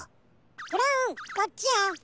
ブラウンこっちよ。